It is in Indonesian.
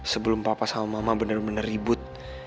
sebelum papa sama mama bener bener ribut